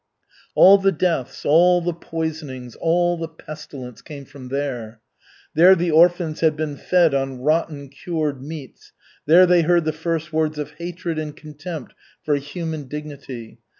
All the deaths, all the poisonings, all the pestilence, came from there. There the orphans had been fed on rotten cured meats, there they heard the first words of hatred and contempt for human dignity.